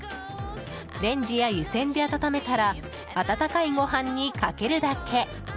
レンジや湯せんで温めたら温かいご飯にかけるだけ。